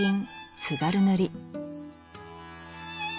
津軽塗